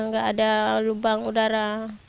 gak ada lubang udara